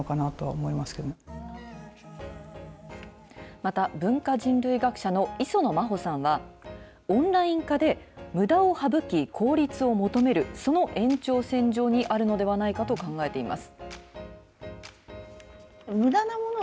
また文化人類学者の磯野真穂さんは、オンライン化で、むだを省き、効率を求めるその延長線上にあるのではないかと考えています。